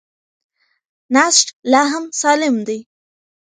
نسج لا هم سالم دی.